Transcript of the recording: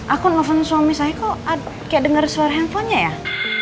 aku nelfon suami saya kok kayak denger suara handphonenya ya